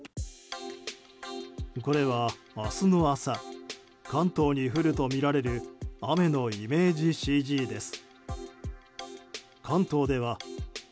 これは、明日の朝関東に降るとみられる雨のイメージＣＧです。